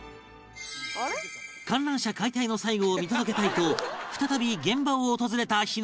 観覧車解体の最後を見届けたいと再び現場を訪れた枇乃樹君